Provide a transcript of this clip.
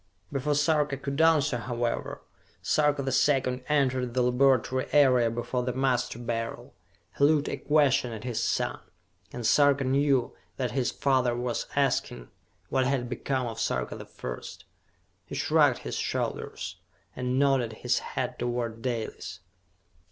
Before Sarka could answer, however, Sarka the Second entered the laboratory area before the Master Beryl. He looked a question at his son, and Sarka knew that his father was asking what had become of Sarka the First. He shrugged his shoulders, and nodded his head toward Dalis.